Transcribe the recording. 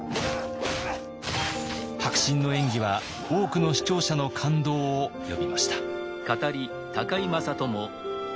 迫真の演技は多くの視聴者の感動を呼びました。